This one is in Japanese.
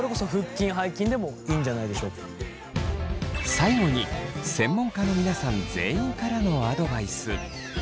最後に専門家の皆さん全員からのアドバイス。